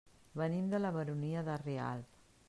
Venim de la Baronia de Rialb.